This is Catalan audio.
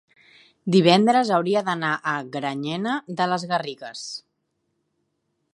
divendres hauria d'anar a Granyena de les Garrigues.